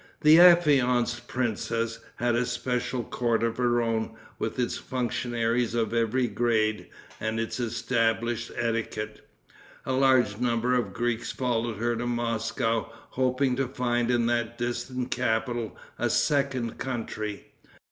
The affianced princess had a special court of her own, with its functionaries of every grade, and its established etiquette. A large number of Greeks followed her to Moscow, hoping to find in that distant capital a second country.